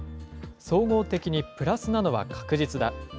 総合的にプラスなのは確実だ。